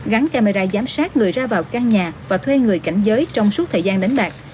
gắn camera giám sát người ra vào căn nhà và thuê người cảnh giới trong suốt thời gian đánh bạc